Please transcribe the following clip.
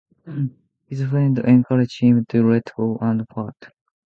His friends encourage him to let go and fart.